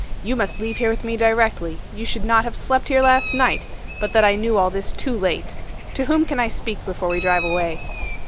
You must leave here with me directly; you should not have slept here last night, but that I knew all this too late. To whom can I speak, before we drive away?